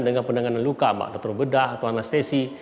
dengan penanganan luka dokter bedah atau anestesi